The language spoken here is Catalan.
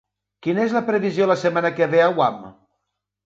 quina és la previsió la setmana que ve a Guam